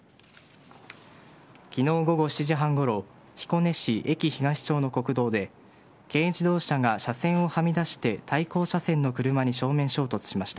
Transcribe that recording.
昨日午後７時半ごろ彦根市駅東町の国道で軽自動車が車線をはみ出して対向車線の車に正面衝突しました。